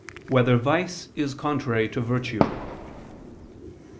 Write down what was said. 1] Whether Vice Is Contrary to Virtue?